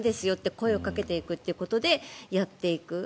声をかけていくということでやっていく。